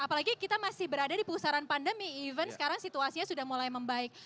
apalagi kita masih berada di pusaran pandemi even sekarang situasinya sudah mulai membaik